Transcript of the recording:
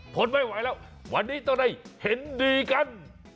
ทนไม่ไหวแล้ววันนี้ต้องได้เห็นดีกัน